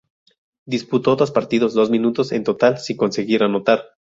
Disputó dos partidos, dos minutos en total, sin conseguir anotar.